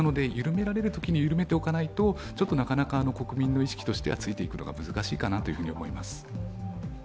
緩められるときに緩めておかないと国民の意識としてはついていくのが難しいかなと思います。